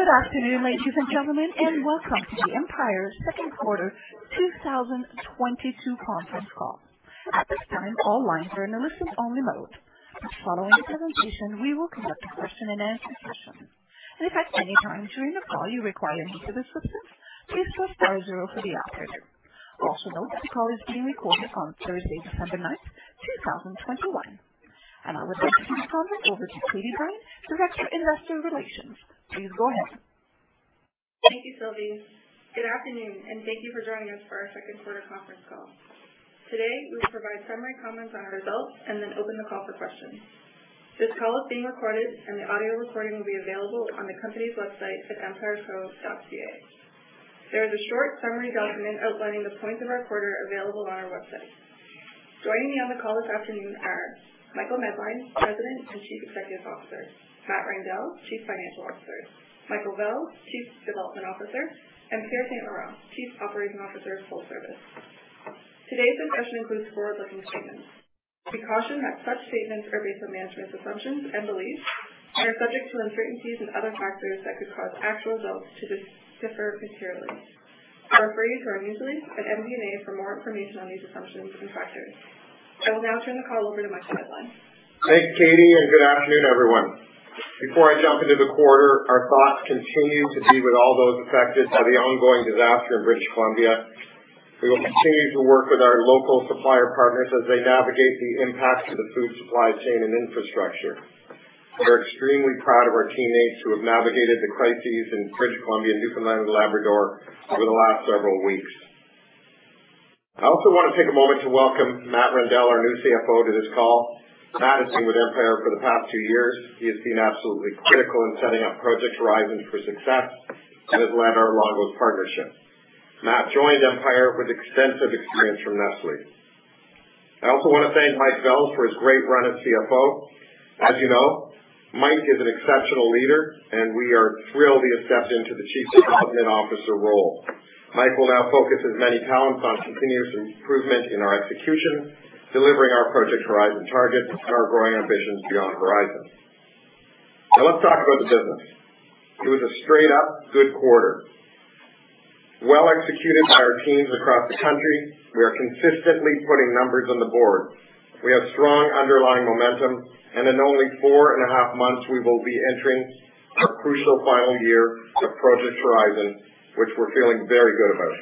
Good afternoon, ladies and gentlemen, and welcome to the Empire second quarter 2022 conference call. At this time, all lines are in a listen-only mode. Following the presentation, we will conduct a question-and-answer session. If at any time during the call you require any further assistance, please press star zero for the operator. Also note that the call is being recorded on Thursday, December 9th, 2021. I would like to turn the call over to Katie Brine, Director, Investor Relations. Please go ahead. Thank you, Sylvie. Good afternoon, and thank you for joining us for our second quarter conference call. Today we will provide summary comments on our results and then open the call for questions. This call is being recorded, and the audio recording will be available on the company's website at empireco.ca. There is a short summary document outlining the points of our quarter available on our website. Joining me on the call this afternoon are Michael Medline, President and Chief Executive Officer, Matt Reindel, Chief Financial Officer, Michael Vels, Chief Development Officer, and Pierre St-Laurent, Chief Operating Officer, Full Service. Today's discussion includes forward-looking statements. We caution that such statements are based on management's assumptions and beliefs and are subject to uncertainties and other factors that could cause actual results to differ materially. Refer to our news release at MD&A for more information on these assumptions and factors. I will now turn the call over to Michael Medline. Thanks, Katie Brine, and good afternoon, everyone. Before I jump into the quarter, our thoughts continue to be with all those affected by the ongoing disaster in British Columbia. We will continue to work with our local supplier partners as they navigate the impacts to the food supply chain and infrastructure. We're extremely proud of our teammates who have navigated the crises in British Columbia and Newfoundland and Labrador over the last several weeks. I also wanna take a moment to welcome Matt Reindel, our new CFO, to this call. Matt Reindel has been with Empire for the past two years. He has been absolutely critical in setting up Project Horizon for success and has led our Longo's partnership. Matt Reindel joined Empire with extensive experience from Nestlé. I also wanna thank Mike Vels for his great run as CFO. As you know, Mike is an exceptional leader, and we are thrilled he has stepped into the chief development officer role. Mike will now focus his many talents on continuous improvement in our execution, delivering our Project Horizon targets, and our growing ambitions beyond Horizon. Now let's talk about the business. It was a straight up good quarter, well executed by our teams across the country. We are consistently putting numbers on the board. We have strong underlying momentum, and in only four and a half months, we will be entering our crucial final year of Project Horizon, which we're feeling very good about.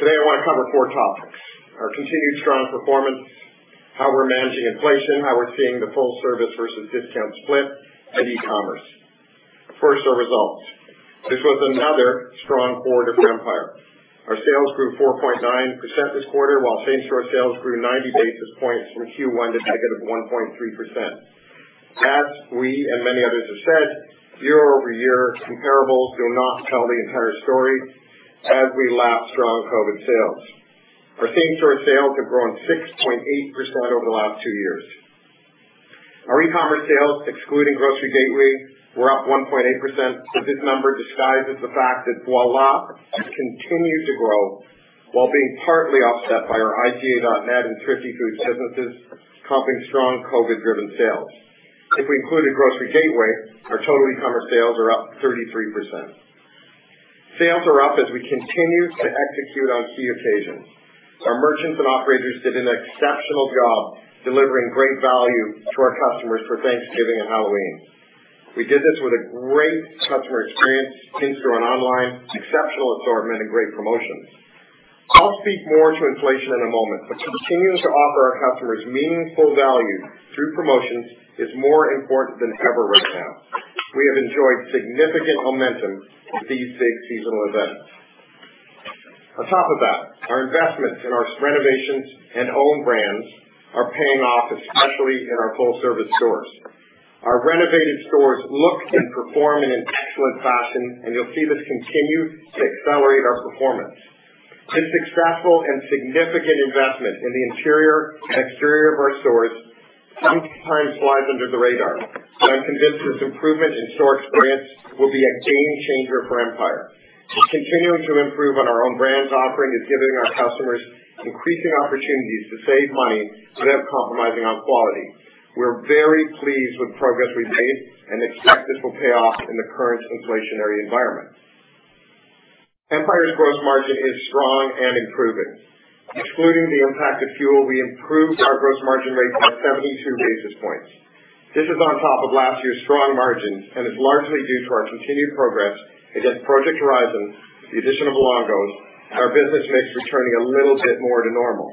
Today I wanna cover four topics, our continued strong performance, how we're managing inflation, how we're seeing the Full Service versus discount split, and e-commerce. First, our results. This was another strong quarter for Empire. Our sales grew 4.9% this quarter, while same-store sales grew 90 basis points from Q1 to -1.3%. As we and many others have said, year-over-year comparables do not tell the entire story as we lap strong COVID sales. Our same-store sales have grown 6.8% over the last two years. Our e-commerce sales, excluding Grocery Gateway, were up 1.8%, but this number disguises the fact that Voilà continues to grow while being partly offset by our IGA.net and Thrifty Foods businesses, comping strong COVID-driven sales. If we included Grocery Gateway, our total e-commerce sales are up 33%. Sales are up as we continue to execute on key occasions. Our merchants and operators did an exceptional job delivering great value to our customers for Thanksgiving and Halloween. We did this with a great customer experience in-store and online, exceptional assortment, and great promotions. I'll speak more to inflation in a moment, but continuing to offer our customers meaningful value through promotions is more important than ever right now. We have enjoyed significant momentum with these big seasonal events. On top of that, our investments in our renovations and own brands are paying off, especially in our Full Service stores. Our renovated stores look and perform in an excellent fashion, and you'll see this continue to accelerate our performance. This successful and significant investment in the interior and exterior of our stores sometimes flies under the radar, but I'm convinced this improvement in store experience will be a game changer for Empire. Continuing to improve on our own brands offering is giving our customers increasing opportunities to save money without compromising on quality. We're very pleased with the progress we've made and expect this will pay off in the current inflationary environment. Empire's gross margin is strong and improving. Excluding the impact of fuel, we improved our gross margin rate by 72 basis points. This is on top of last year's strong margins and is largely due to our continued progress against Project Horizon, the addition of Longo's, and our business mix returning a little bit more to normal.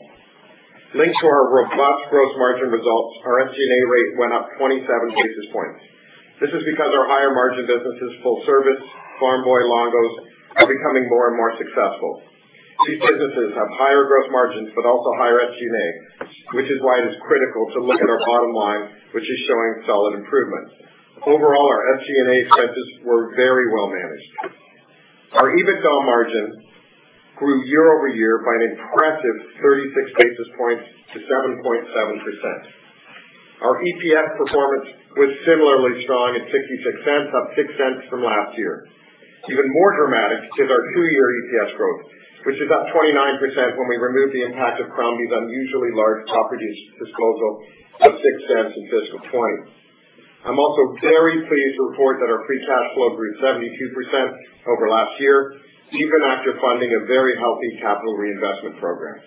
Linked to our robust gross margin results, our SG&A rate went up 27 basis points. This is because our higher margin businesses, Full Service, Farm Boy, Longo's, are becoming more and more successful. These businesses have higher gross margins but also higher SG&A, which is why it is critical to look at our bottom line, which is showing solid improvement. Overall, our SG&A expenses were very well managed. Our EBITDA margin grew year-over-year by an impressive 36 basis points to 7.7%. Our EPS performance was similarly strong at 0.66, up 0.06 from last year. Even more dramatic is our two-year EPS growth, which is up 29% when we remove the impact of Crombie's unusually large property disposal of 0.06 in fiscal 2020. I'm also very pleased to report that our free cash flow grew 72% over last year, even after funding a very healthy capital reinvestment program.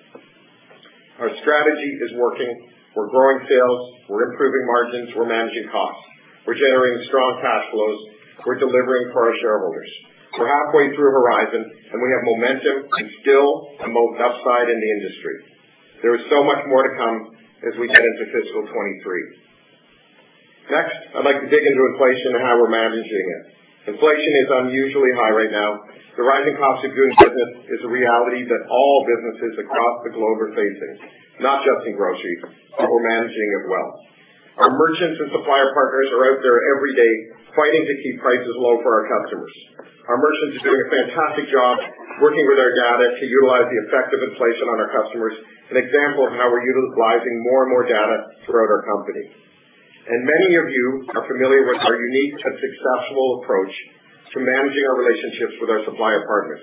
Our strategy is working. We're growing sales. We're improving margins. We're managing costs. We're generating strong cash flows. We're delivering for our shareholders. We're halfway through Horizon, and we have momentum and still the upside in the industry. There is so much more to come as we head into fiscal 2023. Next, I'd like to dig into inflation and how we're managing it. Inflation is unusually high right now. The rising cost of goods business is a reality that all businesses across the globe are facing, not just in grocery, but we're managing it well. Our merchants and supplier partners are out there every day fighting to keep prices low for our customers. Our merchants are doing a fantastic job working with our data to utilize the effect of inflation on our customers, an example of how we're utilizing more and more data throughout our company. Many of you are familiar with our unique and successful approach to managing our relationships with our supplier partners.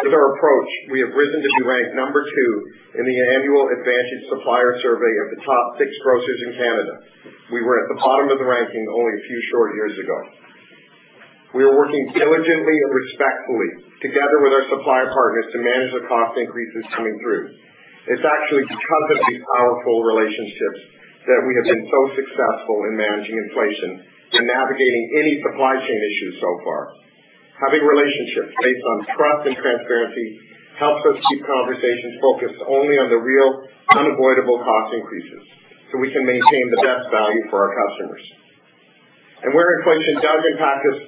With our approach, we have risen to be ranked number two in the annual Advantage Supplier Survey of the top six grocers in Canada. We were at the bottom of the ranking only a few short years ago. We are working diligently and respectfully together with our supplier partners to manage the cost increases coming through. It's actually because of these powerful relationships that we have been so successful in managing inflation and navigating any supply chain issues so far. Having relationships based on trust and transparency helps us keep conversations focused only on the real unavoidable cost increases, so we can maintain the best value for our customers. Where inflation does impact us,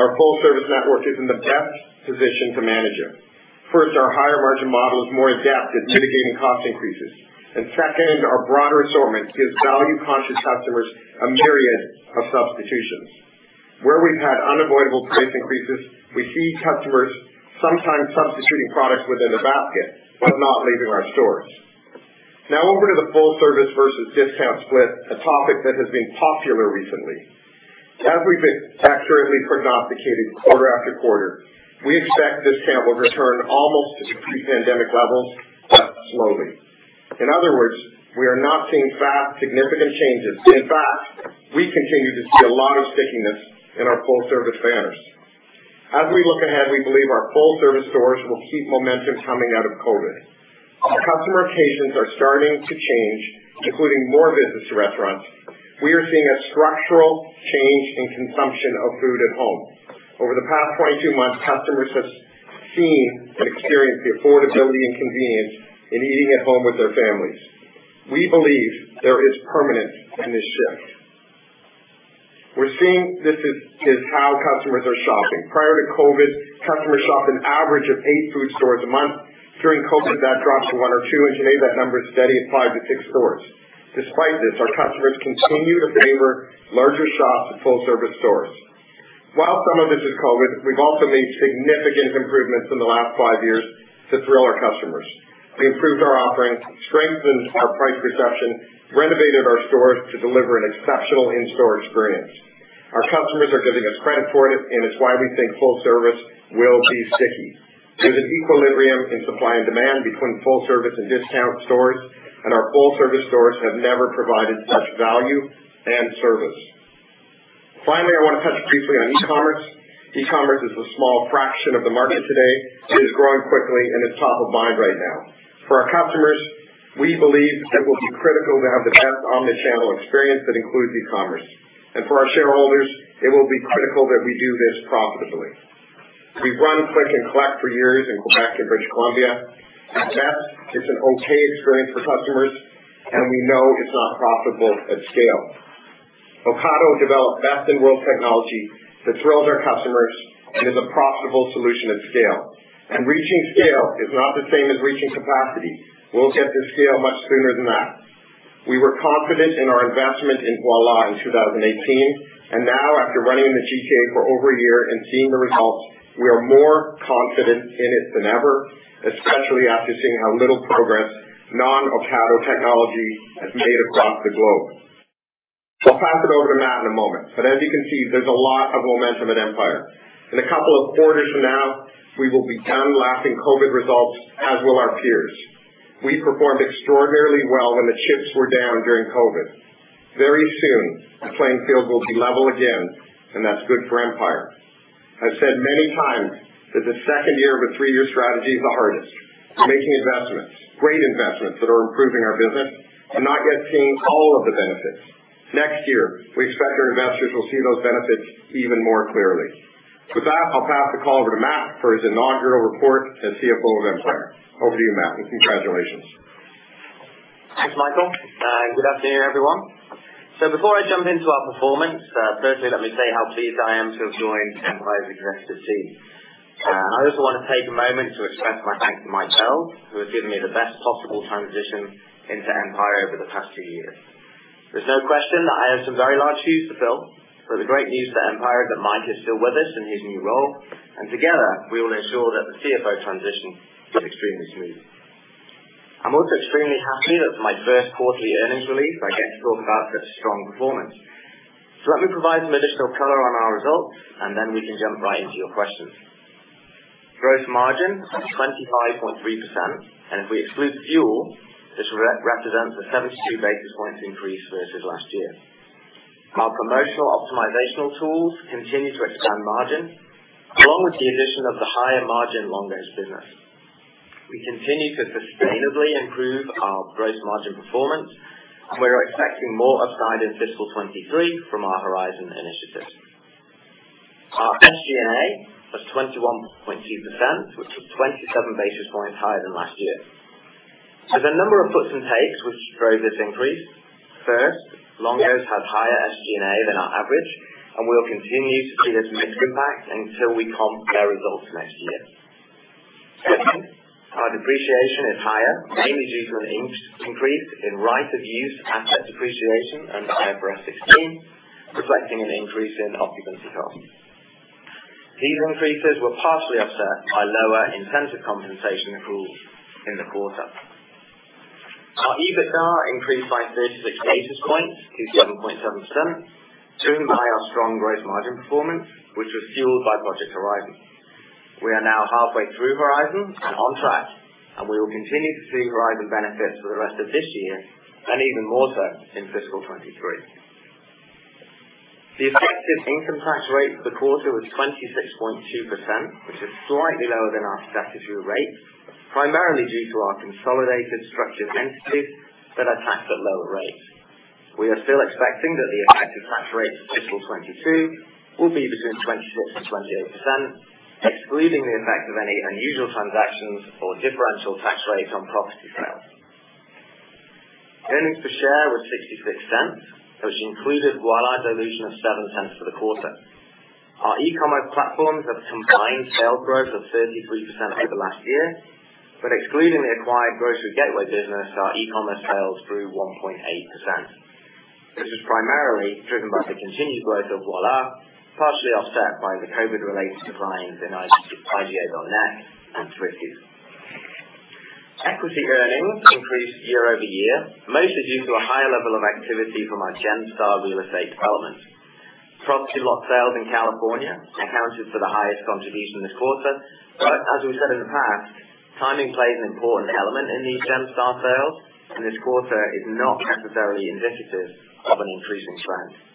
our Full Service network is in the best position to manage it. First, our higher margin model is more adept at mitigating cost increases. Second, our broader assortment gives value-conscious customers a myriad of substitutions. Where we've had unavoidable price increases, we see customers sometimes substituting products within a basket but not leaving our stores. Now over to the Full Service versus discount split, a topic that has been popular recently. As we've been accurately prognosticated quarter after quarter, we expect this channel to return almost to pre-pandemic levels, but slowly. In other words, we are not seeing fast, significant changes. In fact, we continue to see a lot of stickiness in our Full Service banners. As we look ahead, we believe our Full Service stores will keep momentum coming out of COVID. Our customer occasions are starting to change, including more visits to restaurants. We are seeing a structural change in consumption of food at home. Over the past 22 months, customers have seen and experienced the affordability and convenience in eating at home with their families. We believe there is permanence in this shift. We're seeing this is how customers are shopping. Prior to COVID, customers shopped an average of eight food stores a month. During COVID, that dropped to one or two, and today that number is steady at five-six stores. Despite this, our customers continue to favor larger shops at Full Service stores. While some of this is COVID, we've also made significant improvements in the last five years to thrill our customers. We improved our offerings, strengthened our price perception, renovated our stores to deliver an exceptional in-store experience. Our customers are giving us credit for it, and it's why we think Full Service will be sticky. There's an equilibrium in supply and demand between Full Service and Discount Stores, and our Full Service stores have never provided such value and service. Finally, I wanna touch briefly on e-commerce. E-commerce is a small fraction of the market today. It is growing quickly, and it's top of mind right now. For our customers, we believe it will be critical to have the best omni-channel experience that includes e-commerce. For our shareholders, it will be critical that we do this profitably. We've run Click and Collect for years in Quebec and British Columbia. At best, it's an okay experience for customers, and we know it's not profitable at scale. Ocado developed best-in-world technology that thrills our customers and is a profitable solution at scale. Reaching scale is not the same as reaching capacity. We'll get to scale much sooner than that. We were confident in our investment in Voilà in 2018, and now after running the GTA for over a year and seeing the results, we are more confident in it than ever, especially after seeing how little progress non-Ocado technology has made across the globe. I'll pass it over to Matt in a moment, but as you can see, there's a lot of momentum at Empire. In a couple of quarters from now, we will be done lapping COVID results, as will our peers. We performed extraordinarily well when the chips were down during COVID. Very soon, the playing field will be level again, and that's good for Empire. I've said many times that the second year of a three-year strategy is the hardest. We're making investments, great investments that are improving our business and not yet seeing all of the benefits. Next year, we expect our investors will see those benefits even more clearly. With that, I'll pass the call over to Matt for his inaugural report as CFO of Empire. Over to you, Matt, and congratulations. Thanks, Michael, and good afternoon, everyone. Before I jump into our performance, firstly, let me say how pleased I am to have joined Empire Executive Team. I also wanna take a moment to express my thanks to Michael, who has given me the best possible transition into Empire over the past two years. There's no question that I have some very large shoes to fill, but the great news for Empire is that Mike is still with us in his new role, and together we will ensure that the CFO transition goes extremely smooth. I'm also extremely happy that for my first quarterly earnings release, I get to talk about such strong performance. Let me provide some additional color on our results, and then we can jump right into your questions. Gross margin was 25.3%, and if we exclude fuel, this represents a 72 basis points increase versus last year. Our promotional optimization tools continue to expand margin, along with the addition of the higher margin Longo's business. We continue to sustainably improve our gross margin performance, and we are expecting more upside in fiscal 2023 from our Horizon initiatives. Our SG&A was 21.2%, which was 27 basis points higher than last year. There's a number of puts and takes which drove this increase. First, Longo's has higher SG&A than our average, and we'll continue to see this mixed impact until we comp their results next year. Second, our depreciation is higher, mainly due to an increase in right-of-use asset depreciation under IFRS 16, reflecting an increase in occupancy costs. These increases were partially offset by lower incentive compensation accruals in the quarter. Our EBITDA increased by 36 basis points to 7.7%, tuned by our strong gross margin performance, which was fueled by Project Horizon. We are now halfway through Horizon and on track, and we will continue to see Horizon benefits for the rest of this year and even more so in fiscal 2023. The effective income tax rate for the quarter was 26.2%, which is slightly lower than our statutory rate, primarily due to our consolidated structured entities that are taxed at lower rates. We are still expecting that the effective tax rate for fiscal 2022 will be between 26% and 28%, excluding the effect of any unusual transactions or differential tax rates on property sales. Earnings per share were 0.66, which included Voilà dilution of 0.07 for the quarter. Our e-commerce platforms have combined sales growth of 33% over last year, but excluding the acquired Grocery Gateway business, our e-commerce sales grew 1.8%. This was primarily driven by the continued growth of Voilà, partially offset by the COVID-related declines in IGA.net and Thrifty. Equity earnings increased year-over-year, mostly due to a higher level of activity from our Genstar real estate development. Property lot sales in California accounted for the highest contribution this quarter, but as we've said in the past, timing plays an important element in these Genstar sales, and this quarter is not necessarily indicative of an increasing trend.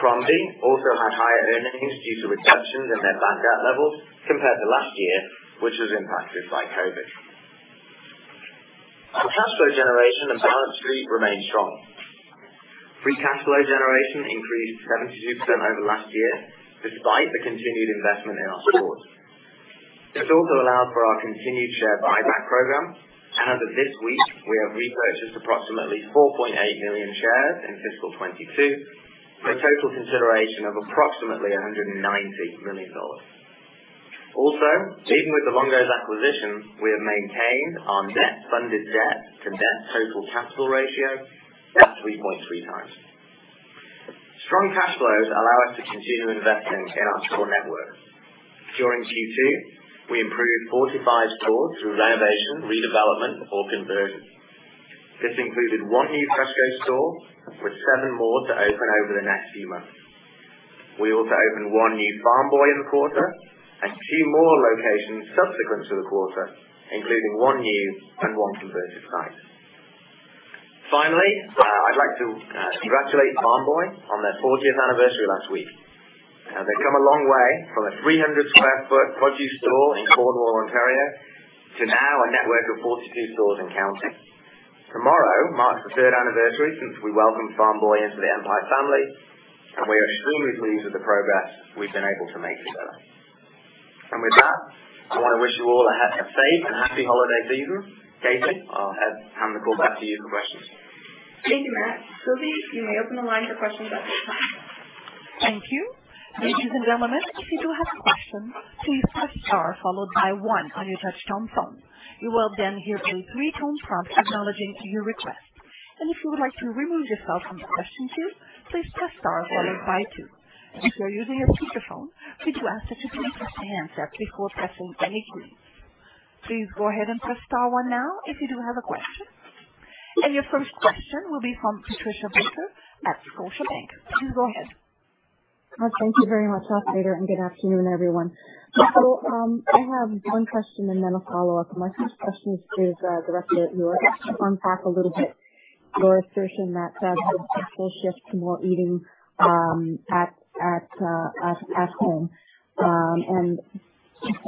Crombie also had higher earnings due to reductions in their mark-to-market levels compared to last year, which was impacted by COVID. Our cash flow generation and balance sheet remained strong. Free cash flow generation increased 72% over last year despite the continued investment in our stores. This also allowed for our continued share buyback program, and as of this week, we have repurchased approximately 4.8 million shares in fiscal 2022 for a total consideration of approximately 190 million dollars. Also, even with the Longo's acquisition, we have maintained our net funded debt to debt total capital ratio at 3.3x. Strong cash flows allow us to continue investing in our store network. During Q2, we improved 45 stores through renovation, redevelopment or conversion. This included one new FreshCo store, with seven more to open over the next few months. We also opened one new Farm Boy in the quarter and two more locations subsequent to the quarter, including one new and one converted site. Finally, I'd like to congratulate Farm Boy on their 40th anniversary last week. They've come a long way from a 300 sq ft produce store in Cornwall, Ontario, to now a network of 42 stores and counting. Tomorrow marks the 3rd Anniversary since into the Empire family, and we are extremely pleased with the progress we've been able to make together. With that, I wanna wish you all a happy and safe holiday season. Katie, I'll hand the call back to you for questions. Thank you, Matt. Sylvie, you may open the line for questions at this time. Thank you. Ladies and gentlemen, if you do have a question, please press star followed by one on your touchtone phone. You will then hear a three-tone prompt acknowledging your request. If you would like to remove yourself from the question queue, please press star followed by two. If you're using a speakerphone, we do ask that you please press the handset before pressing any key. Please go ahead and press star one now if you do have a question. Your first question will be from Patricia Baker at Scotiabank. Please go ahead. Thank you very much, operator, and good afternoon, everyone. I have one question and then a follow-up. My first question is directed at you, Michael, to unpack a little bit your assertion that the full shift to more eating at home.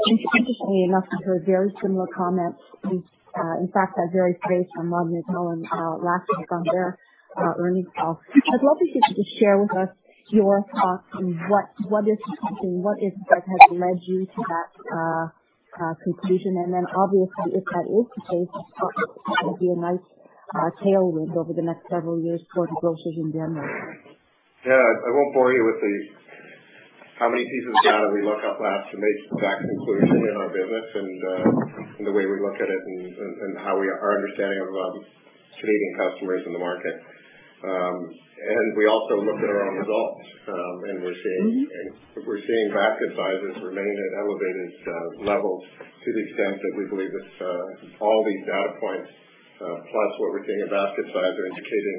Interestingly enough, we've heard very similar comments, in fact, that very phrase from Rodney McMullen and Gary Millerchip on their earnings call. I'd love to get you to share with us your thoughts on what is happening, what has led you to that conclusion. Obviously, if that is the case, that would be a nice tailwind over the next several years for the groceries in general. Yeah. I won't bore you with the how many pieces of data we look up last to make that conclusion in our business and the way we look at it and how our understanding of Canadian customers in the market. We also look at our own results, and we're seeing Mm-hmm. We're seeing basket sizes remain at elevated levels to the extent that we believe it's all these data points plus what we're seeing in basket size are indicating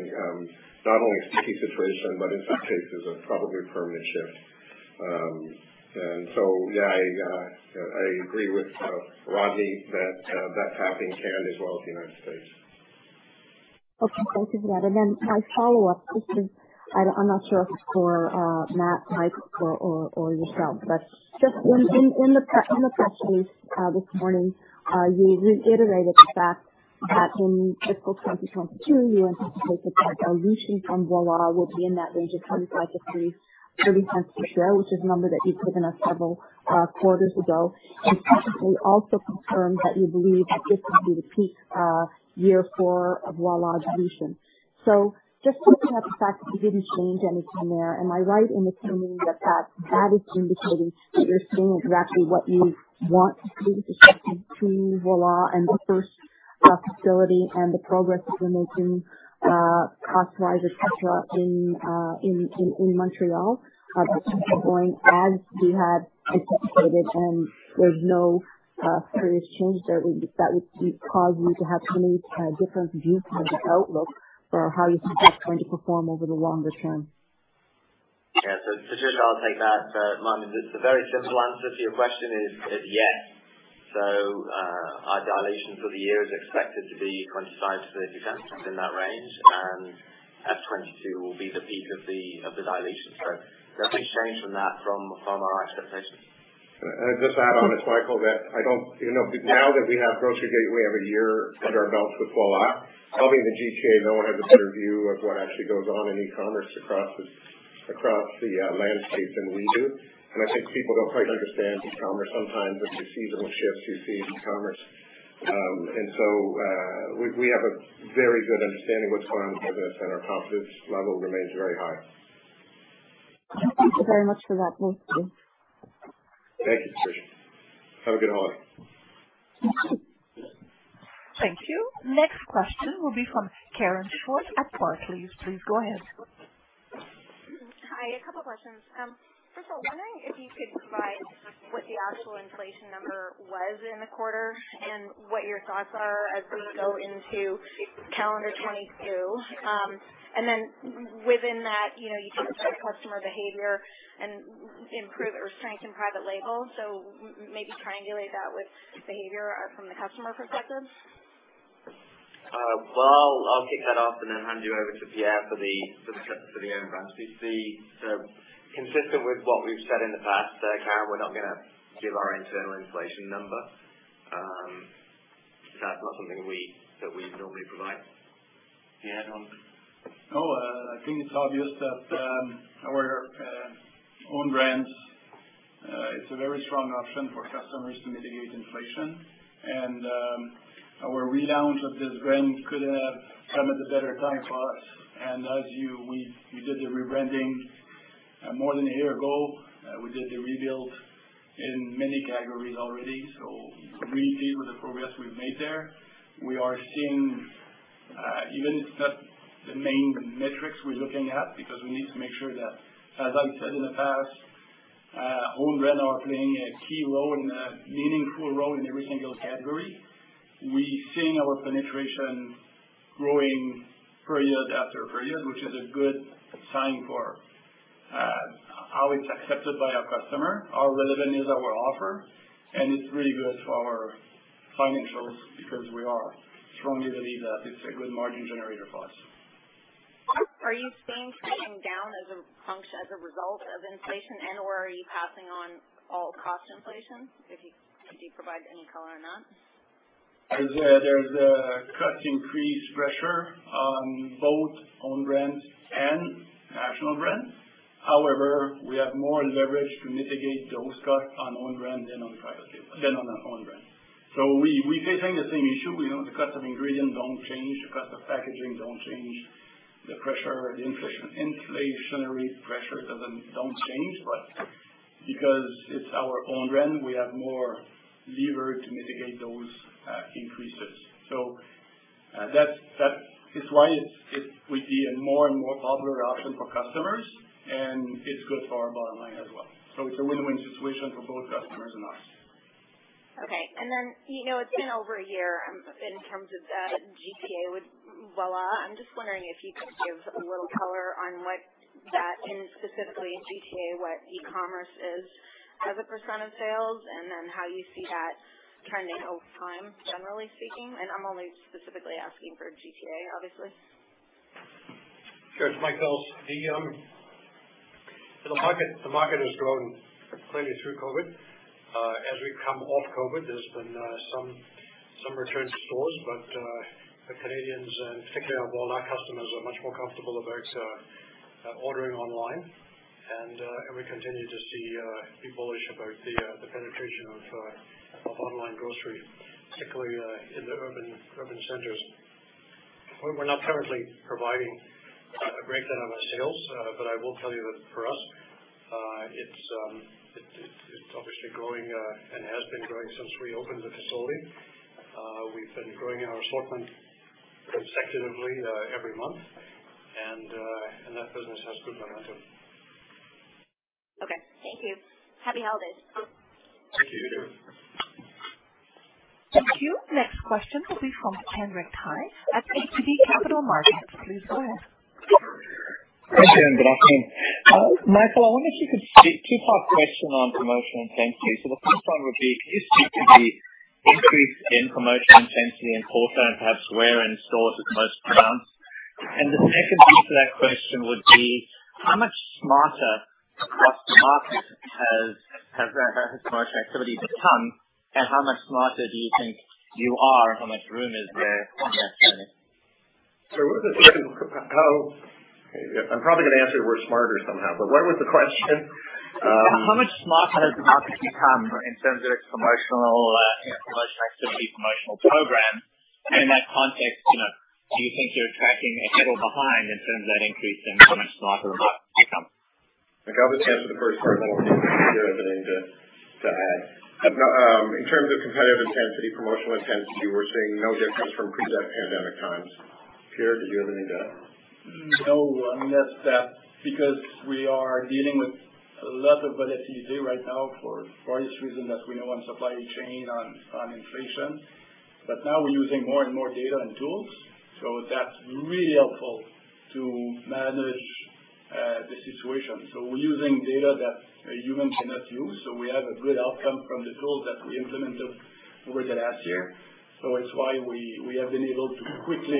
not only sticky situation, but in some cases a probably permanent shift. Yeah, I agree with Rodney that that's happening Canada as well as the U.S. Okay. Thank you for that. Then my follow-up, this is. I'm not sure if it's for Matt, Mike or yourself. But just in the press release this morning, you reiterated the fact that in fiscal 2022 you anticipate the dilution from Voilà will be in that range of 0.25-0.30 per share, which is a number that you've given us several quarters ago. Potentially also confirmed that you believe that this will be the peak year for Voilà dilution. Just picking up the fact that you didn't change anything there, am I right in assuming that that is indicating that you're seeing exactly what you want to see with respect to Voilà and the first facility and the progress that you're making cost-wise, et cetera, in Montreal? That things are going as you had anticipated and there's no serious change there that would cause you to have any different view from the outlook for how you see that going to perform over the longer term. Yeah. Patricia, I'll take that. The very simple answer to your question is yes. Our dilution for the year is expected to be 0.25-0.30, within that range, and F 2022 will be the peak of the dilution. Nothing's changed from that, from our expectations. Can I just add on to Michael that I don't you know, now that we have Grocery Gateway, we have a year under our belts with Voilà. I mean, the GTA, no one has a better view of what actually goes on in e-commerce across the landscape than we do. I think people don't quite understand e-commerce sometimes with the seasonal shifts you see in e-commerce. We have a very good understanding of what's going on with this, and our confidence level remains very high. Thank you very much for that, both of you. Thank you, Patricia. Have a good holiday. Thank you. Thank you. Next question will be from Karen Short at Barclays. Please go ahead. Hi, a couple questions. First of all, wondering if you could provide what the actual inflation number was in the quarter and what your thoughts are as we go into calendar 2022. Within that, you know, you talked about customer behavior and improve or strengthen private label, so maybe triangulate that with behavior from the customer perspective. Well, I'll kick that off and then hand you over to Pierre for the own brands. We see consistent with what we've said in the past, Karen, we're not gonna give our internal inflation number. That's not something we normally provide. Pierre, do you want to? No, I think it's obvious that our own brands it's a very strong option for customers to mitigate inflation. Our relaunch of this brand couldn't have come at a better time for us. We did the rebranding more than a year ago. We did the rebuild in many categories already. We're pleased with the progress we've made there. We are seeing, even if it's not the main metrics we're looking at because we need to make sure that, as I've said in the past, own brand are playing a key role and a meaningful role in every single category. We're seeing our penetration growing year after year, which is a good sign for how it's accepted by our customer, how relevant our offer is, and it's really good for our financials because we strongly believe that it's a good margin generator for us. Are you seeing spending down as a result of inflation and/or are you passing on all cost inflation? If you could provide any color on that. There's a cost increase pressure on both own brands and national brands. However, we have more leverage to mitigate those costs on own brand than on own brand. We're facing the same issue. You know, the cost of ingredients don't change, the cost of packaging don't change. The pressure, the inflationary pressure doesn't change, but because it's our own brand, we have more leverage to mitigate those increases. That is why it would be a more and more popular option for customers, and it's good for our bottom line as well. It's a win-win situation for both customers and us. Okay. You know, it's been over a year in terms of the GTA with Voilà. I'm just wondering if you could give a little color on what that, in specifically GTA, what e-commerce is as a % of sales, and then how you see that trending over time, generally speaking? I'm only specifically asking for GTA, obviously. Sure. It's Michael Vels. The market has grown clearly through COVID. As we've come off COVID, there's been some return to stores. Canadians, particularly our Voilà customers, are much more comfortable about ordering online. We continue to be bullish about the penetration of online grocery, particularly in the urban centers. We're not currently providing a breakdown on the sales, but I will tell you that for us, it's it- Actually growing and has been growing since we opened the facility. We've been growing our assortment consecutively, every month. That business has good momentum. Okay. Thank you. Happy holidays. Thank you. Thank you. Next question will be from Kenric Tyghe at ATB Capital Markets. Please go ahead. Thank you, and good afternoon. Michael, I wonder if you could speak to a two-part question on promotional intensity. The first one would be, do you see an increase in promotional intensity in the quarter, and perhaps where in stores is most pronounced? The second piece to that question would be, how much smarter has the market's promotional activity become, and how much smarter do you think you are? How much room is there on that front? What was the question? I'm probably gonna answer we're smarter somehow, but what was the question? How much smarter has the market become in terms of its promotional, you know, promotional activities, promotional programs? In that context, you know, do you think you're tracking ahead or behind in terms of that increase in how much smarter the market's become? I'll let answer the first part, and then, if Pierre has anything to add. In terms of competitive intensity, promotional intensity, we're seeing no difference from pre-pandemic times. Pierre, did you have anything to add? No, I mean, that's because we are dealing with a lot of volatility right now for various reasons, as we know, on supply chain, on inflation. Now we're using more and more data and tools, so that's really helpful to manage the situation. We're using data that a human cannot use, so we have a good outcome from the tools that we implemented over the last year. It's why we have been able to quickly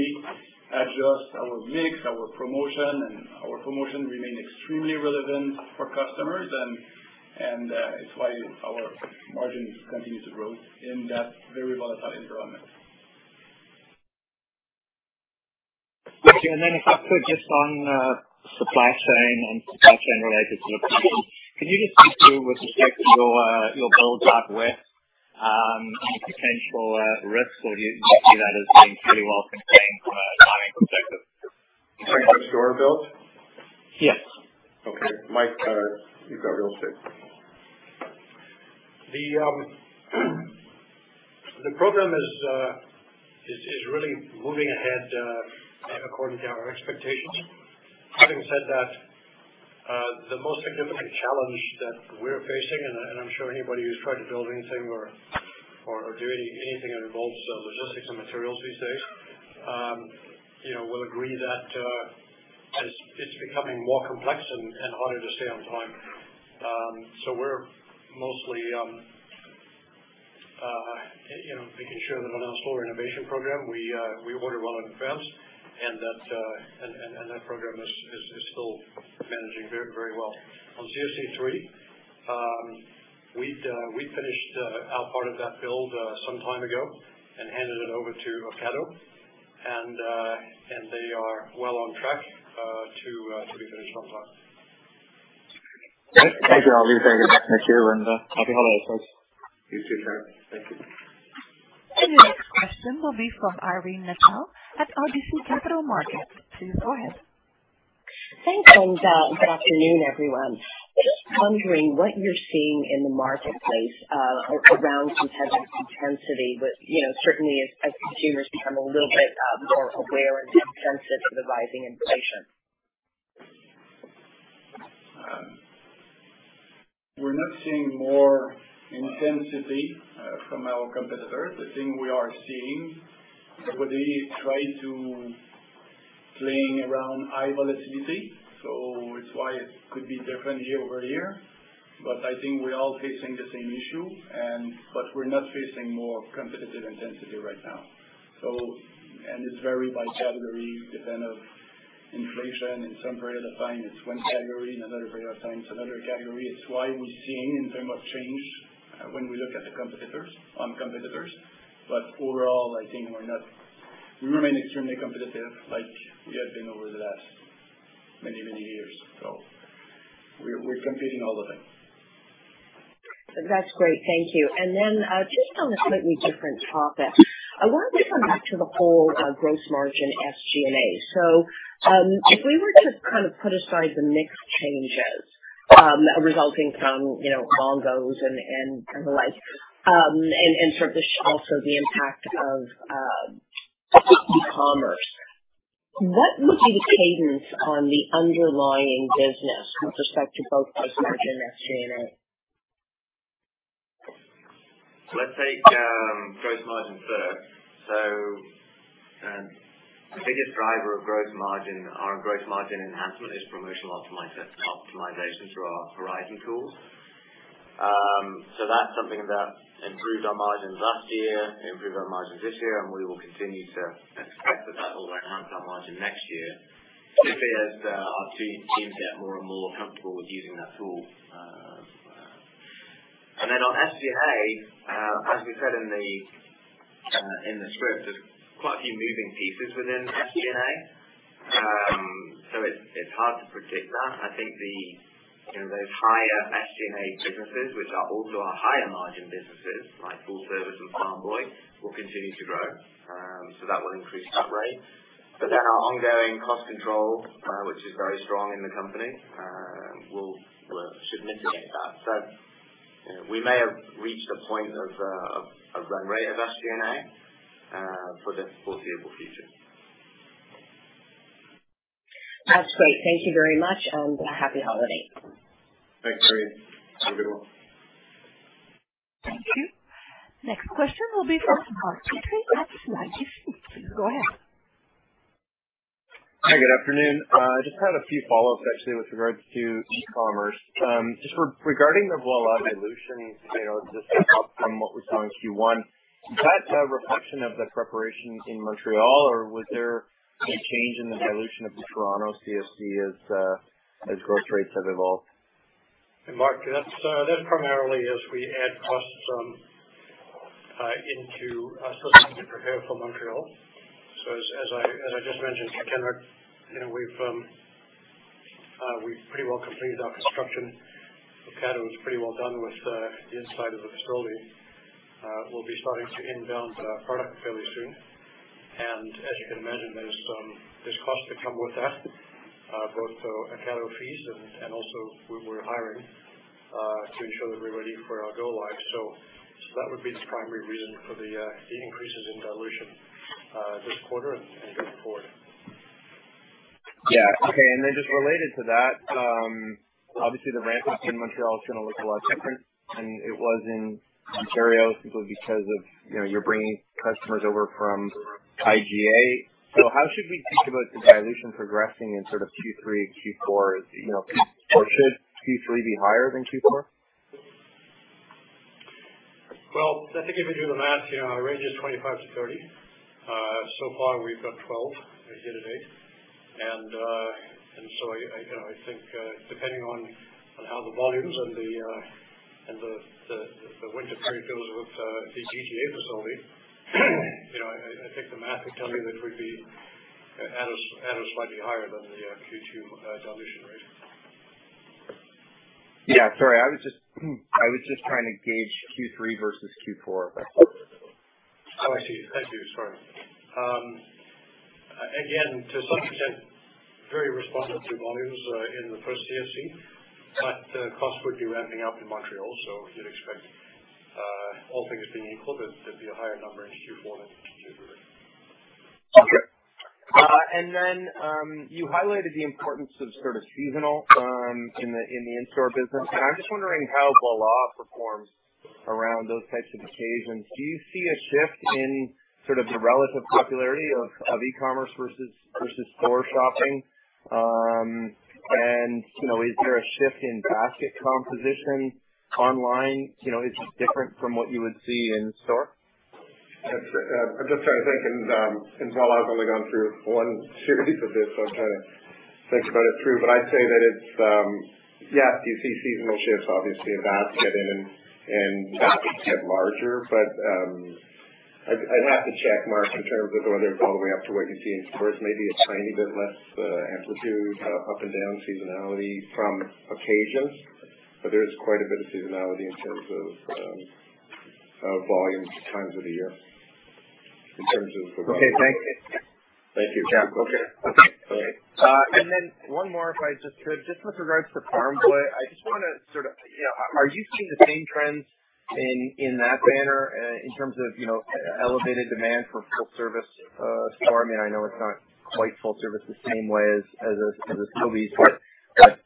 adjust our mix, our promotion, and it remains extremely relevant for customers and it's why our margins continue to grow in that very volatile environment. If I could just on supply chain and supply chain related sort of questions. Could you just speak to with respect to your build out with any potential risks? Or do you see that as being pretty well contained from a timing perspective? You're talking about store build? Yes. Okay. Mike, you've got real estate. The program is really moving ahead according to our expectations. Having said that, the most significant challenge that we're facing, and I'm sure anybody who's tried to build anything or do anything that involves logistics and materials these days, you know, will agree that it's becoming more complex and harder to stay on time. We're mostly you know making sure that on our store renovation program we order well in advance, and that program is still managing very well. On CFC 3, we finished our part of that build some time ago and handed it over to Ocado and they are well on track to be finished on time. Thank you. I'll leave it there, Pierre, and happy holidays, folks. You too, sir. Thank you. The next question will be from Irene Nattel at RBC Capital Markets. Please go ahead. Thanks, good afternoon, everyone. Just pondering what you're seeing in the marketplace around competitive intensity with, you know, certainly as consumers become a little bit more aware and sensitive to the rising inflation. We're not seeing more intensity from our competitors. The thing we are seeing is whether they're trying to play around with high volatility. It's why it could be different year-over-year. I think we're all facing the same issue. We're not facing more competitive intensity right now. It varies by category, depending on inflation. In some period of time it's one category, in another period of time it's another category. That's why we're seeing, in terms of change, when we look at the competitors, than competitors. Overall, I think we're not. We remain extremely competitive like we have been over the last many years. We're competing all the time. That's great. Thank you. Just on a slightly different topic. I wanted to come back to the whole gross margin SG&A. If we were to kind of put aside the mix changes resulting from, you know, Longo's and kind of the like, also the impact of e-commerce, what would be the cadence on the underlying business with respect to both gross margin SG&A? Let's take gross margin first. The biggest driver of gross margin, our gross margin enhancement is promotional optimization through our variety tools. That's something that improved our margins last year, improved our margins this year, and we will continue to expect that will enhance our margin next year simply as our teams get more and more comfortable with using that tool. And then on SG&A, as we said in the script, there's quite a few moving pieces within SG&A. It's hard to predict that. I think you know, those higher SG&A businesses, which are also our higher margin businesses, like Full Service and Farm Boy, will continue to grow. That will increase that rate. Our ongoing cost control, which is very strong in the company, should mitigate that. We may have reached a point of run rate of SG&A for the foreseeable future. That's great. Thank you very much, and happy holiday. Thanks, Irene Nattel. Have a good one. Thank you. Next question will be from Mark Petrie at CIBC. Go ahead. Hi, good afternoon. Just had a few follow-ups, actually, with regards to e-commerce. Just regarding the Voilà dilution, you know, just from what we saw in Q1. Is that a reflection of the preparation in Montreal, or was there a change in the dilution of the Toronto CFC as growth rates have evolved? Hey, Mark. That's primarily we add costs into something to prepare for Montreal. As I just mentioned to Kenric, you know, we've pretty well completed our construction. The CFC was pretty well done with the inside of the facility. We'll be starting to inbound product fairly soon. As you can imagine, there's costs that come with that, both in CFC fees and also we're hiring to ensure that we're ready for our go live. That would be the primary reason for the increases in dilution this quarter and going forward. Yeah. Okay. Just related to that, obviously the ramp-up in Montreal is gonna look a lot different than it was in Ontario simply because of, you know, you're bringing customers over from IGA. How should we think about the dilution progressing in sort of Q3 and Q4? Or should Q3 be higher than Q4? Well, I think if you do the math, you know, our range is 25-30. So far we've done 12 year to date. I think, depending on how the volumes and the winter period goes with the IGA facility, you know, I think the math would tell you that we'd be at a slightly higher than the Q2 dilution rate. Yeah, sorry. I was just trying to gauge Q3 versus Q4. Oh, I see. Sorry. Again, to some extent, very responsive to volumes in the first CFC, but costs would be ramping up in Montreal. We did expect, all things being equal, it'd be a higher number in Q4 than Q3. Okay. You highlighted the importance of sort of seasonal in the in-store business. I'm just wondering how Voilà performs around those types of occasions. Do you see a shift in sort of the relative popularity of e-commerce versus store shopping? You know, is there a shift in basket composition online? You know, is it different from what you would see in store? I'm just trying to think. Voilà has only gone through one series of this, so I'm trying to think about it through. I'd say that it's, yes, you see seasonal shifts, obviously, in basket and baskets get larger. I'd have to check Mark in terms of whether it's all the way up to what you see in stores. Maybe a tiny bit less amplitude up and down seasonality from occasions, but there is quite a bit of seasonality in terms of volume times of the year in terms of the run. Okay, thanks. Thank you. Yeah. Okay. Bye. One more, if I just could. Just with regards to Farm Boy, I just wanna sort of, you know, are you seeing the same trends in that banner in terms of, you know, elevated demand for full service store? I mean, I know it's not quite full service the same way as a Sobeys,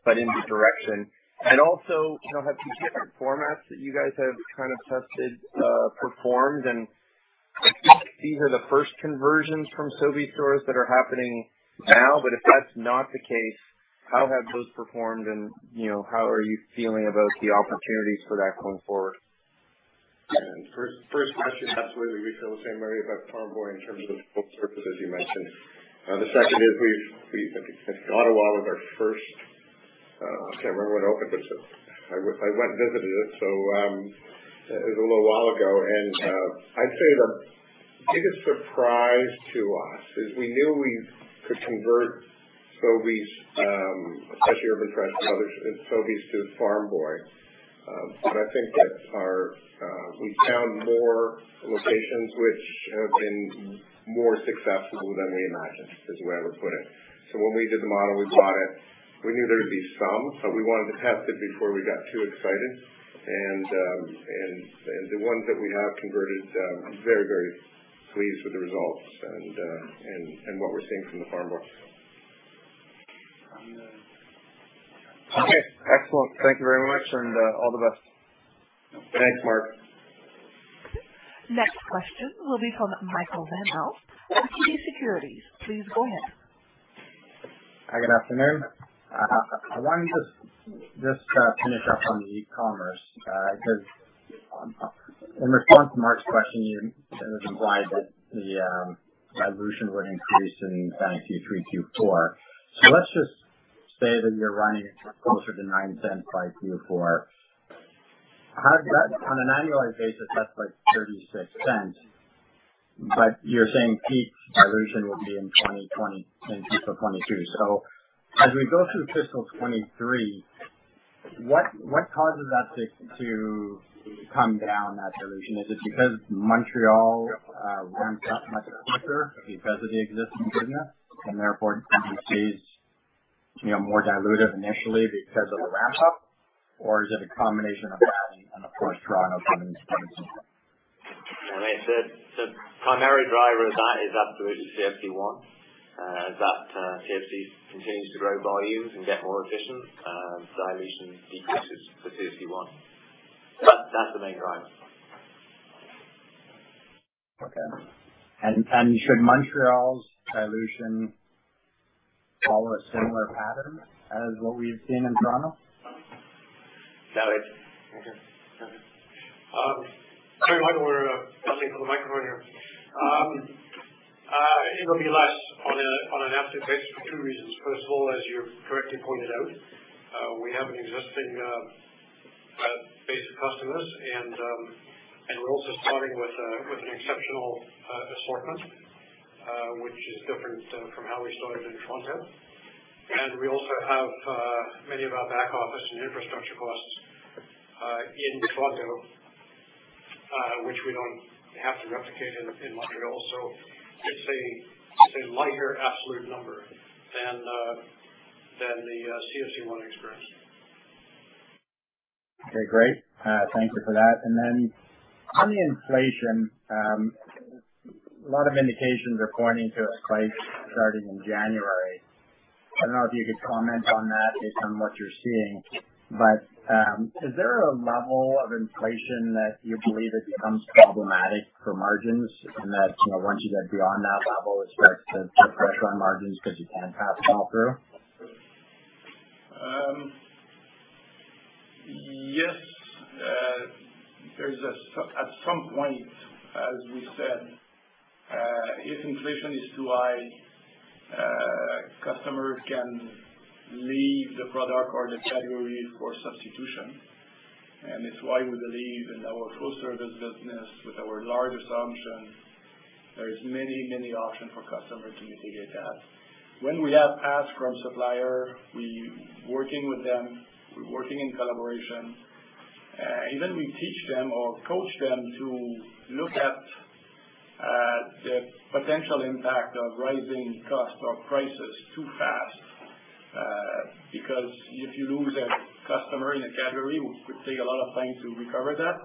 but in the direction. Also, you know, have the different formats that you guys have kind of tested performed. These are the first conversions from Sobeys stores that are happening now. If that's not the case, how have those performed? You know, how are you feeling about the opportunities for that going forward? First question, absolutely, we feel the same way about Farm Boy in terms of full service, as you mentioned. The second is I think Ottawa was our first. I can't remember when it opened, but I went and visited it. It was a little while ago. I'd say the biggest surprise to us is we knew we could convert Sobeys, especially urban stores to other Sobeys to Farm Boy. But I think that we found more locations which have been more successful than we imagined, is the way I would put it. When we did the model, we thought we knew there'd be some, but we wanted to test it before we got too excited. The ones that we have converted, very pleased with the results and what we're seeing from the Farm Boy. Okay, excellent. Thank you very much and all the best. Thanks, Mark. Next question will be from Michael Van Aelst, TD Securities. Please go ahead. Hi, good afternoon. I wanted to just finish up on the e-commerce, 'cause in response to Mark's question, you kind of implied that the dilution would increase in Q3, Q4. Let's just say that you're running closer to 0.09 by Q4. How does that on an annualized basis, that's like 0.36, but you're saying peak dilution will be in 2022 in fiscal 2022. As we go through fiscal 2023, what causes that to come down that dilution? Is it because Montreal ramps up much quicker because of the existing business and therefore CFC is, you know, more diluted initially because of the ramp-up? Or is it a combination of that and of course, Toronto coming in Well, the primary driver of that is absolutely CFC 1. As that CFC continues to grow volumes and get more efficient, dilution decreases for CFC 1. That's the main driver. Should Montreal's dilution follow a similar pattern as what we've seen in Toronto? Got it. Mm-hmm. Mm-hmm. Sorry, Michael, we're waiting for the microphone here. It'll be less on an absolute basis for two reasons. First of all, as you correctly pointed out, we have an existing base of customers and we're also starting with an exceptional assortment, which is different from how we started in Toronto. We also have many of our back office and infrastructure costs in Toronto, which we don't have to replicate in Montreal. It's a lighter absolute number than the CFC 1 experience. Okay, great. Thank you for that. Then on the inflation, a lot of indications are pointing to a hike starting in January. I don't know if you could comment on that based on what you're seeing, but, is there a level of inflation that you believe it becomes problematic for margins and that, you know, once you get beyond that level, it starts to put pressure on margins because you can't pass it all through? Yes. At some point, as we said, if inflation is too high, customers can leave the product or the categories for substitution. It's why we believe in our Full Service business with our large assortment, there are many, many options for customers to mitigate that. When we have asks from supplier, we're working with them, we're working in collaboration. We even teach them or coach them to look at the potential impact of rising costs or prices too fast, because if you lose a customer in a category, it would take a lot of time to recover that.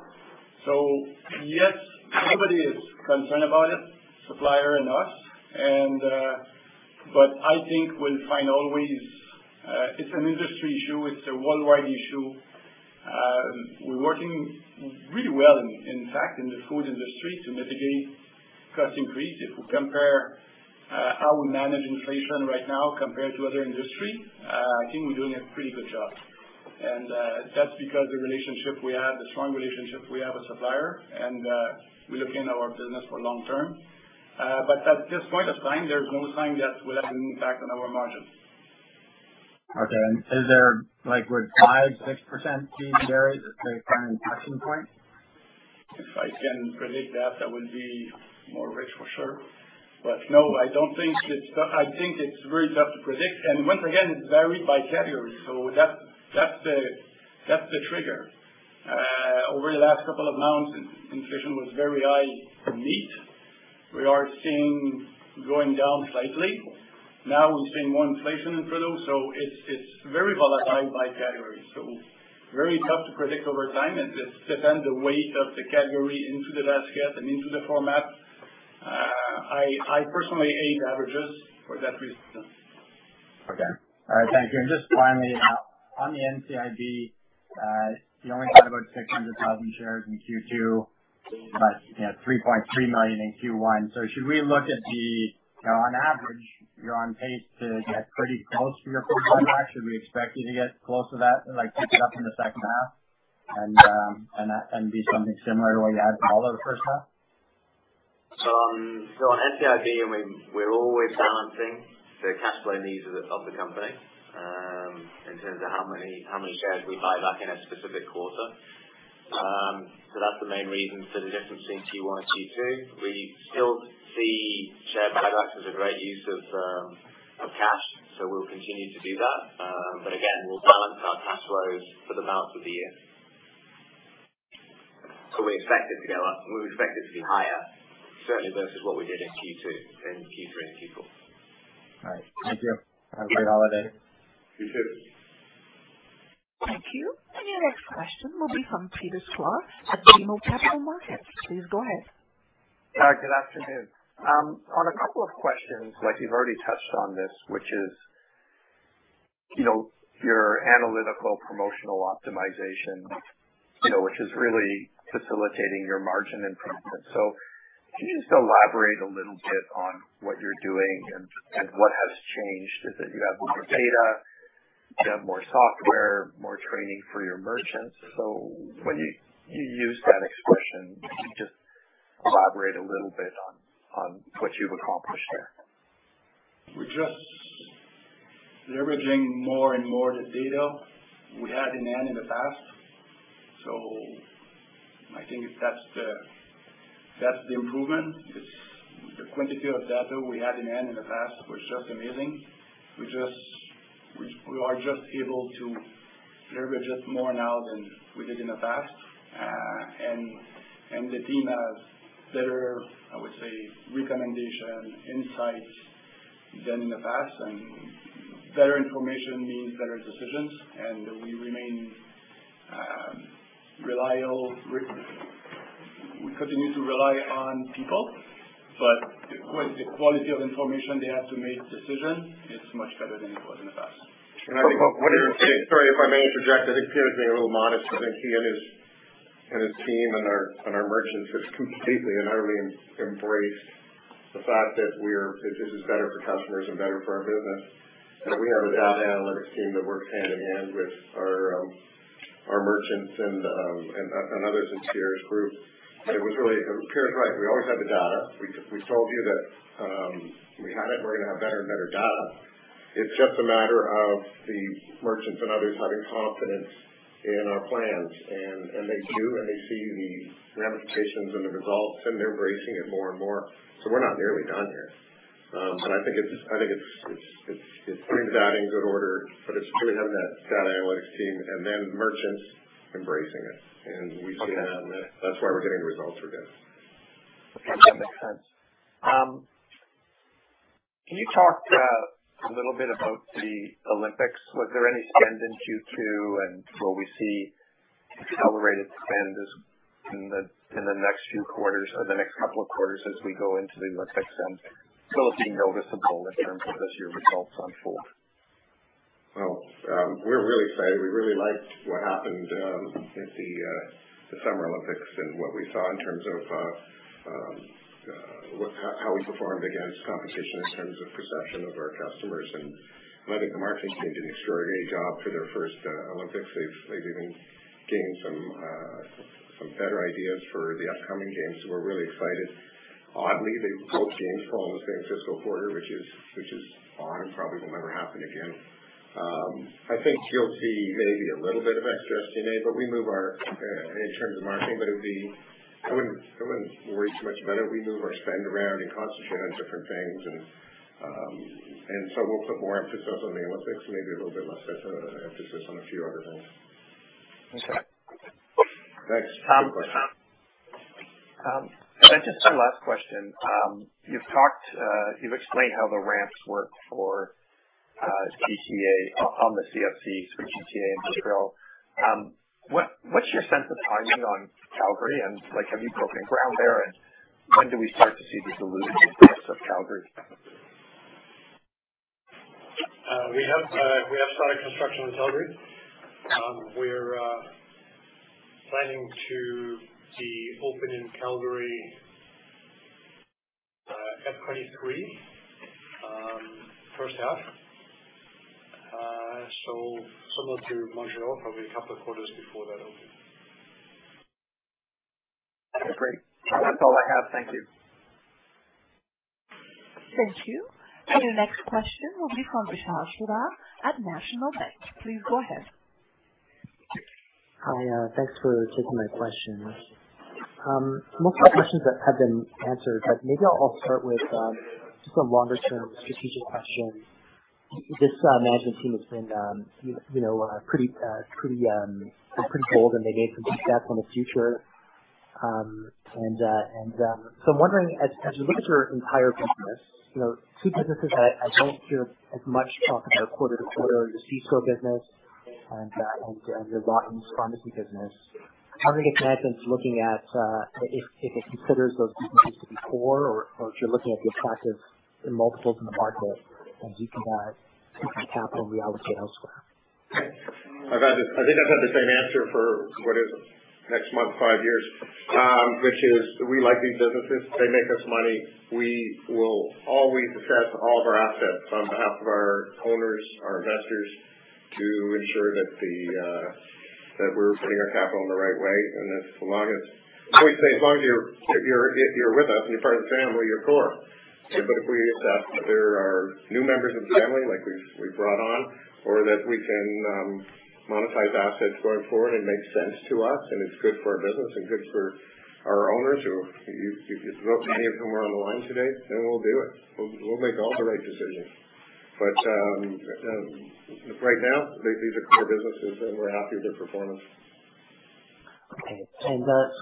Yes, everybody is concerned about it, supplier and us. I think we'll always find it's an industry issue, it's a worldwide issue. We're working really well, in fact, in the food industry to mitigate cost increase. If we compare how we manage inflation right now compared to other industry, I think we're doing a pretty good job. That's because the relationship we have, the strong relationship we have with supplier and we look in our business for long term. At this point of time, there's no sign that will have an impact on our margins. Okay. Is there like, would 5%-6% be the kind of tipping point? If I can predict that, I would be more rich for sure. No, I don't think it's I think it's very tough to predict. Once again, it's varied by category. That's the trigger. Over the last couple of months, inflation was very high for meat. We are seeing going down slightly. Now we're seeing more inflation in produce. So it's very volatile by category. Very tough to predict over time. It depends the weight of the category into the basket and into the format. I personally hate averages for that reason. Okay. All right, thank you. Just finally, on the NCIB, you only had about 600,000 shares in Q2, but you know, 3.3 million in Q1. So should we look at the, you know, on average, you're on pace to get pretty close to your full buyback. Should we expect you to get close to that and like pick it up in the second half and be something similar to what you had for all of the first half? On NCIB, we're always balancing the cash flow needs of the company in terms of how many shares we buy back in a specific quarter. That's the main reason for the difference between Q1 and Q2. We still see share buyback as a great use of cash, so we'll continue to do that. Again, we'll balance our cash flows for the balance of the year. We expect it to go up, and we expect it to be higher, certainly versus what we did in Q2, in Q3 and Q4. All right. Thank you. Have a great holiday. You too. Thank you. Your next question will be from Peter Sklar at BMO Capital Markets. Please go ahead. Hi, good afternoon. On a couple of questions like you've already touched on this, which is, you know, your analytical promotional optimization, you know, which is really facilitating your margin improvement. Can you just elaborate a little bit on what you're doing and what has changed? Is it you have more data, you have more software, more training for your merchants? When you use that expression, can you just elaborate a little bit on what you've accomplished there? We're just leveraging more and more the data we had in hand in the past. I think that's the improvement. It's the quantity of data we had in hand in the past was just amazing. We are just able to leverage it more now than we did in the past. The team has better, I would say, recommendation insights than in the past. Better information means better decisions, and we remain. We continue to rely on people, but the quality of information they have to make decision, it's much better than it was in the past. Sorry if I may interject. I think Pierre's being a little modest. I think he and his team and our merchants have completely and utterly embraced the fact that this is better for customers and better for our business. That we have a data analytics team that works hand in hand with our merchants and others in Sobeys group. Pierre's right. We always had the data. We told you that we had it, and we're gonna have better and better data. It's just a matter of the merchants and others having confidence in our plans. They do, and they see the ramifications and the results, and they're embracing it more and more. We're not nearly done here. I think it's putting the data in good order, but it's really having that data analytics team and then merchants embracing it. We see that Okay. That's why we're getting the results we're getting. Okay. That makes sense. Can you talk a little bit about the Olympics? Was there any spend in Q2, and will we see accelerated spend in the next few quarters or the next couple of quarters as we go into the Olympics? Will it be noticeable in terms of as your results unfold? Well, we're really excited. We really liked what happened in the Summer Olympics and what we saw in terms of how we performed against competition in terms of perception of our customers. I think the marketing team did an extraordinary job for their first Olympics. They've even gained some better ideas for the upcoming games. We're really excited. Oddly, both games fall in the same fiscal quarter, which is odd and probably will never happen again. I think you'll see maybe a little bit of adjustment made, but we move our in terms of marketing, but it would be. I wouldn't worry too much about it. We move our spend around and concentrate on different things and so we'll put more emphasis on the Olympics and maybe a little bit less emphasis on a few other things. Okay. Thanks. Good question. Just one last question. You've talked, you've explained how the ramps work for GTA on the CFCs for GTA and Montreal. What's your sense of timing on Calgary? Like, have you broken ground there? When do we start to see the alluded benefits of Calgary? We have started construction in Calgary. We're planning to be open in Calgary, F 2023, H1. Similar to Montreal, probably a couple of quarters before that opening. Okay, great. That's all I have. Thank you. Thank you. Your next question will be from Vishal Shreedhar at National Bank. Please go ahead. Hi, thanks for taking my questions. Most of my questions have been answered. Maybe I'll start with just some longer-term strategic questions. This management team has been, you know, pretty bold, and they made some big bets on the future. I'm wondering, as you look at your entire business, you know, two businesses I don't hear as much talk about quarter to quarter are the C-store business and your Lawtons pharmacy business. How does management look at if it considers those businesses to be core or if you're looking at the attractive multiples in the market and you can take that capital and reallocate elsewhere? I think I've had the same answer for what is it? Next month, five years, which is we like these businesses. They make us money. We will always assess all of our assets on behalf of our owners, our investors, to ensure that we're putting our capital in the right way. I always say, as long as you're with us and you're part of the family, you're core. If we assess that there are new members of the family like we just brought on or that we can monetize assets going forward, it makes sense to us, and it's good for our business and good for our owners who you spoke to many of whom are on the line today, then we'll do it. We'll make all the right decisions. right now, I think these are core businesses, and we're happy with their performance. Okay.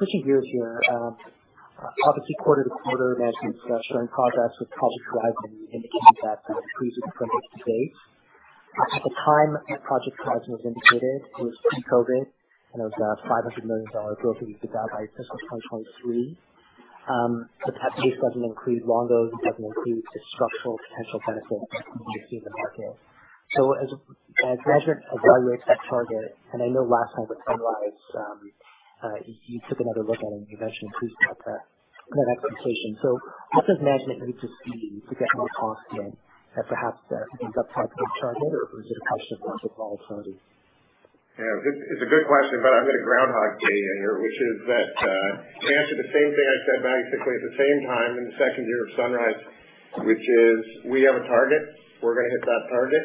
Switching gears here, obviously quarter to quarter, management showing progress with Project Horizon and indicating that increases from 8-8. At the time that Project Horizon was indicated, it was pre-COVID, and it was CAD 500 million of growth that you could get by fiscal 2023. But that obviously doesn't include Longo's, doesn't include the structural potential benefits that you see in the market. So as management evaluates that target, and I know last time with Sunrise, you took another look at it and you mentioned increased cap net expectation. So how does management need to see to get more confident that perhaps that you can up target or change it, or is it a question of margin profitability? Yeah. It's a good question, but I'm gonna groundhog day you here, which is that to answer the same thing I said basically at the same time in the second year of Sunrise, which is we have a target. We're gonna hit that target.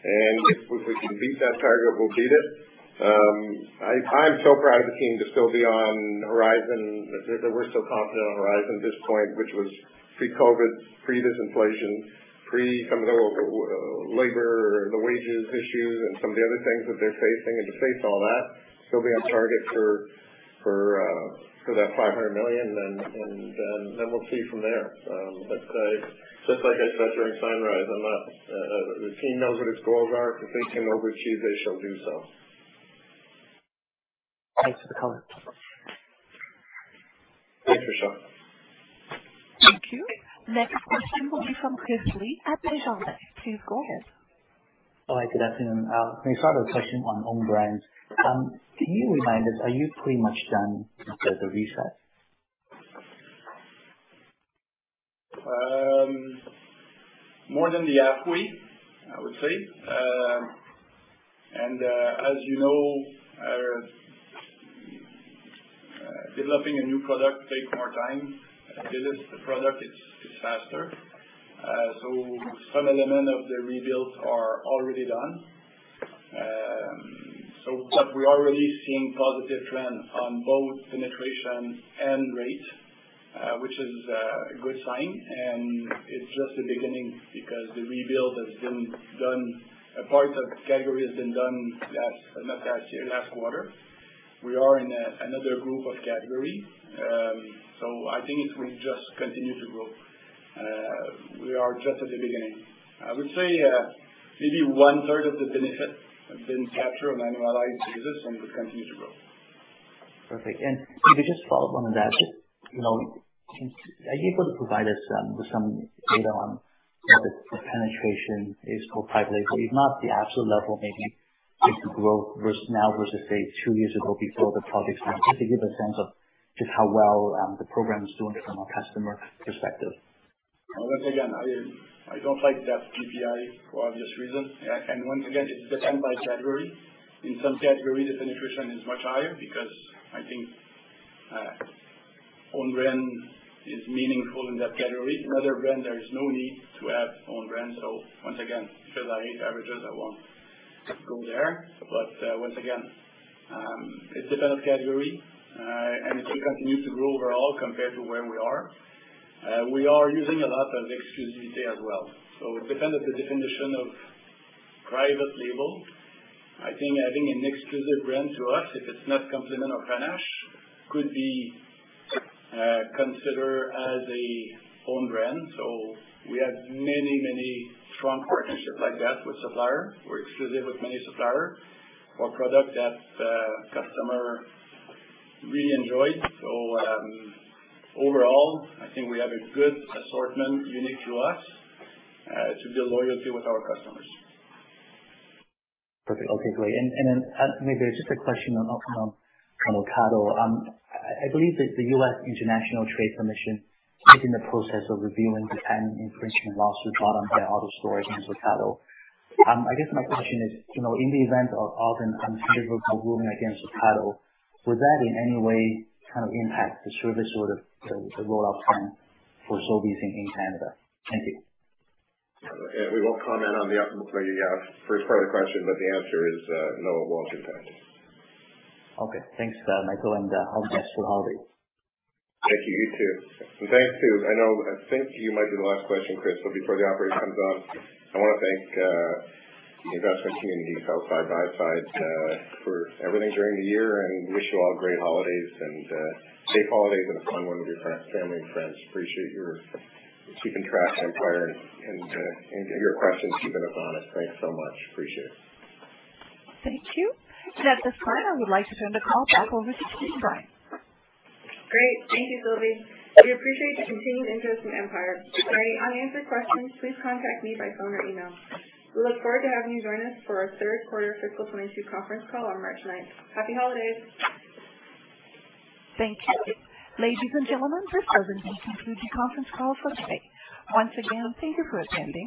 If we can beat that target, we'll beat it. I'm so proud of the team to still be on Horizon. That they were still confident on Horizon at this point, which was pre-COVID, pre-disinflation, pre some of the labor, the wages issues and some of the other things that they're facing. To face all that, still be on target for 500 million and then we'll see from there. Just like I said during Sunrise, I'm not. The team knows what its goals are. If they can overachieve, they shall do so. Thanks for the comment. Thanks, Vishal. Thank you. Next question will be from Chris Li at Desjardins. Please go ahead. Hi, good afternoon. Can we start with a question on own brands? Can you remind us, are you pretty much done with the reset? More than halfway, I would say. As you know, developing a new product takes more time. To release the product, it's faster. Some element of the rebuild are already done. But we are really seeing positive trend on both penetration and rate, which is a good sign. It's just the beginning because the rebuild has been done. A part of category has been done last, not last year, last quarter. We are in another group of category. I think it will just continue to grow. We are just at the beginning. I would say, maybe 1/3 of the benefit have been captured and annualized to this and will continue to grow. Perfect. If we just follow up on that, you know, are you able to provide us with some data on, you know, the penetration, our core private label. If not the absolute level, maybe just the growth versus now, say, two years ago before the project started. Just to give a sense of just how well the program is doing from a customer perspective. Once again, I don't like that PPI for obvious reasons. Once again, it depends on category. In some category, the penetration is much higher because I think own brand is meaningful in that category. In other brands, there is no need to have own brands at all. Once again, because I hate averages, I won't go there. Once again, it depends on category, and it will continue to grow overall compared to where we are. We are using a lot of exclusivity as well. It depends on the definition of private label. I think adding an exclusive brand to us, if it's not Compliments or Panache, could be considered as an own brand. We have many, many strong partnerships like that with suppliers. We're exclusive with many suppliers for products that customers really enjoy. Overall, I think we have a good assortment unique to us to build loyalty with our customers. Perfect. Okay, great. Maybe just a question on Ocado. I believe that the U.S. International Trade Commission is in the process of reviewing the patent infringement lawsuit brought on by AutoStore against Ocado. I guess my question is, you know, in the event of an unfavorable ruling against Ocado, would that in any way kind of impact the service or the rollout plan for Sobeys in Canada? Thank you. Yeah. We won't comment on the outcome of the first part of the question, but the answer is, no, it won't impact. Okay. Thanks, Michael, and all best for holiday. Thank you. You too. I know, I think you might be the last question, Chris. Before the operator comes off, I wanna thank the investment community who've been side by side for everything during the year. Wish you all great holidays and safe holidays and a fun one with your family and friends. Appreciate your keeping track, Empire, and your questions keeping us honest. Thanks so much. Appreciate it. Thank you. At this time, I would like to turn the call back over to Katie Brine. Great. Thank you, Sylvie. We appreciate your continued interest in Empire. For any unanswered questions, please contact me by phone or email. We look forward to having you join us for our third quarter fiscal 2022 conference call on March 9th. Happy holidays. Thank you. Ladies and gentlemen, this does then conclude the conference call for today. Once again, thank you for attending.